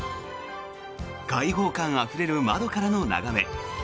開放感あふれる窓からの眺め。